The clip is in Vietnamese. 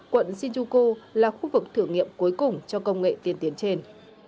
quận shinjuku là khu vực thử nghiệm cuối cùng cho công nghệ tiên tiến trên